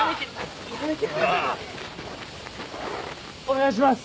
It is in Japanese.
お願いします。